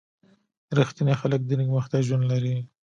• رښتیني خلک د نېکبختۍ ژوند لري.